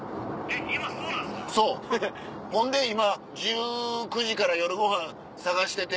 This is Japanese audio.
そうほんで今１９時から夜ご飯探してて。